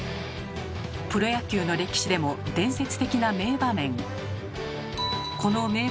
プロ野球の歴史でも伝説的な名場面。